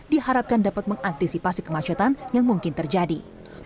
diharapkan dapat mengantisipasi kemacetan yang mungkin terjadi